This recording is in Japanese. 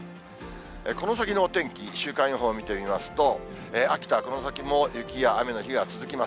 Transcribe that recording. この先のお天気、週間予報見てみますと、秋田はこの先も雪や雨の日が続きます。